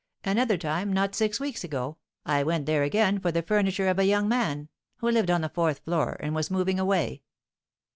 Another time, not six weeks ago, I went there again for the furniture of a young man, who lived on the fourth floor, and was moving away."